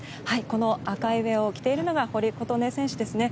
この赤いウェアを着ているのが堀琴音選手ですね。